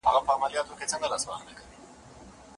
دغه قول علامه القرطبي رحمه الله پخپل تفسير کي ليکلی دی.